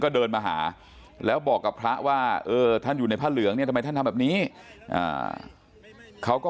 เดินมาหาแล้วบอกกับพระว่าเออท่านอยู่ในผ้าเหลืองเนี่ยทำไมท่านทำแบบนี้เขาก็